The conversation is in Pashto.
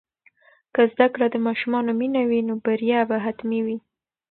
که زده کړه د ماشومانو مینه وي، نو بریا به حتمي وي.